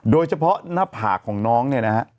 โดยเฉพาะหน้าผากของน้องเนี่ยนะฮะ